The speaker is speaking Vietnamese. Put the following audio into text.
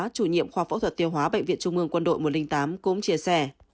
chủ nhiệm khoa phẫu thuật tiêu hóa bệnh viện trung ương quân đội một trăm linh tám cũng chia sẻ